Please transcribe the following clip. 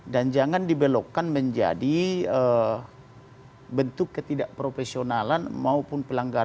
dan jangan dibelokkan menjadi bentuk ketidakprofesionalan maupun pelanggaran